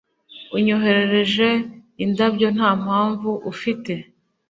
Unyoherereje indabyo nta mpamvu ufite